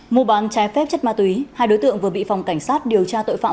mua bán trái phép chất ma túy hai đối tượng vừa bị phòng cảnh sát điều tra tội phạm